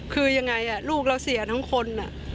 คือยังไงลูกเราเสียทั้งคน